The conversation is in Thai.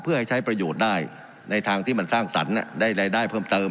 เพื่อให้ใช้ประโยชน์ได้ในทางที่มันสร้างสรรค์ได้รายได้เพิ่มเติม